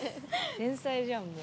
天才じゃんもう。